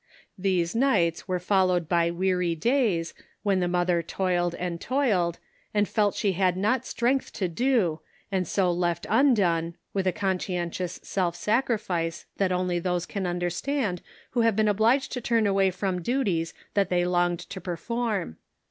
These nights were followed by weary days, when the mother toiled and toiled, and felt she had not strength to do, and so left undone, with a conscientious self sacrifice that only those can understand who have been obliged to turn away from duties that they longed to perform.